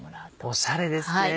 おしゃれですね。